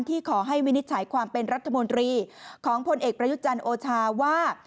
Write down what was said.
ขอให้วินิจฉัยความเป็นรัฐมนตรีของพลเอกประยุจันทร์โอชาว่า